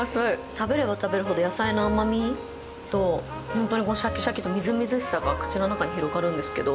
食べれば食べるほど野菜の甘みと、ほんとにこのしゃきしゃきとみずみずしさが口の中に広がるんですけど。